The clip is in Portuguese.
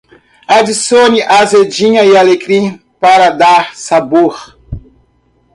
Adicione azedinha e alecrim para dar sabor